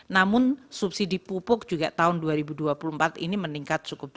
namun subsidi pupuk juga tahun dua ribu dua puluh empat ini meningkat cukup